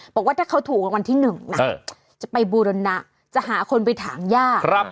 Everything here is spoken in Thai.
บอกว่าถ้าเขาถูกรางวัลที่๑นะจะไปบูรณะจะหาคนไปถางย่า